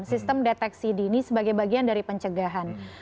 sistem deteksi dini sebagai bagian dari pencegahan